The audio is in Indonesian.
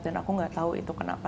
dan aku nggak tahu itu kenapa